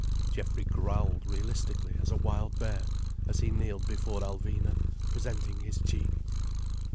Geoffrey growled realistically as a wild bear as he kneeled before Alvina, presenting his cheek.